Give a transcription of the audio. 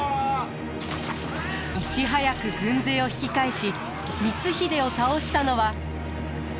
いち早く軍勢を引き返し光秀を倒したのは。